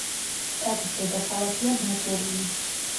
შტატის დედაქალაქია მატურინი.